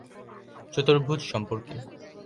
চতুর্ভুজ সম্পর্কে।